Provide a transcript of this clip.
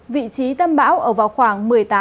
vị trí tâm bão ở vào khoảng